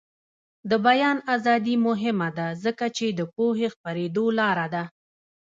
د بیان ازادي مهمه ده ځکه چې د پوهې خپریدو لاره ده.